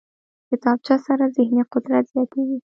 کتابچه سره ذهني قدرت زیاتېږي